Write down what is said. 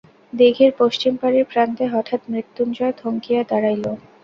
দিঘির পশ্চিমপাড়ির প্রান্তে হঠাৎ মৃত্যুঞ্জয় থমকিয়া দাঁড়াইল।